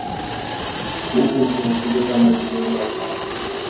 Kuva ubwo kugeza magingo aya